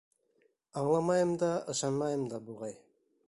Аңламайым да, ышанмайым да, буғай.